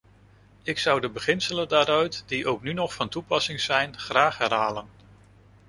Ik zou de beginselen daaruit, die ook nu nog van toepassing zijn, graag herhalen.